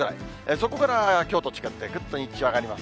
そこからきょうと違って、ぐっと日中上がります。